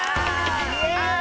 イエーイ！